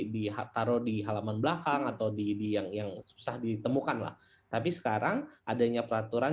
di taruh di halaman belakang atau di yang yang susah ditemukan lah tapi sekarang adanya peraturan